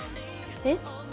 えっ？